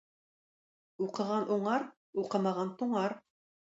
Укыган уңар, укымаган туңар.